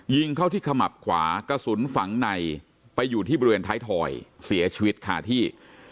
ยิงเข้าที่ขมับขวากระสุนฝังในไปอยู่ที่บริเวณท้ายถอยเสียชีวิตคาที่